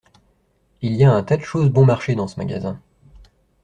Il y a un tas de choses bon-marché dans ce magasin.